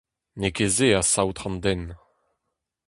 N’eo ket se a saotr an den.